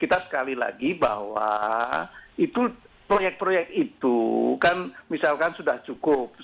kita sekali lagi bahwa itu proyek proyek itu kan misalkan sudah cukup